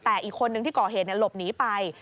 แต่อีกคนนึงที่ก่อเหตุหลบหนีไป